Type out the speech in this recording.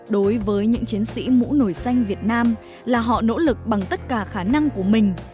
đối với những chiến sĩ mũ nổi xanh việt nam là họ nỗ lực bằng tất cả khả năng của mình